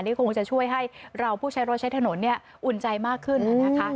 นี่คงจะช่วยให้เราผู้ใช้รถใช้ถนนอุ่นใจมากขึ้นนะคะ